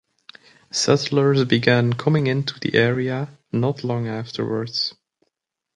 Settlers began coming into the area not long afterwards.